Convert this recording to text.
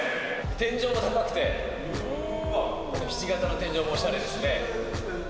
天井が高くて、ひし形の天井もおしゃれですね。